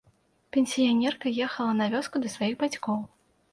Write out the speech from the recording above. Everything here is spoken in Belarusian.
Пенсіянерка ехала на вёску да сваіх бацькоў.